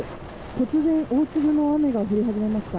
突然大粒の雨が降り始めました。